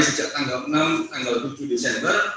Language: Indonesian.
sejak tanggal enam tanggal tujuh desember